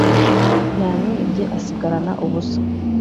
yamwibye asigarana ubusa